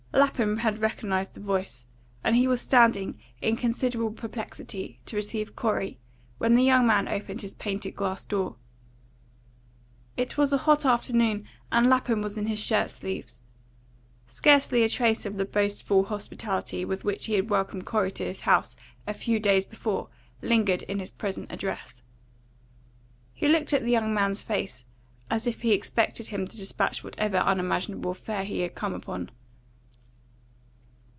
Lapham had recognised the voice, and he was standing, in considerable perplexity, to receive Corey, when the young man opened his painted glass door. It was a hot afternoon, and Lapham was in his shirt sleeves. Scarcely a trace of the boastful hospitality with which he had welcomed Corey to his house a few days before lingered in his present address. He looked at the young man's face, as if he expected him to despatch whatever unimaginable affair he had come upon.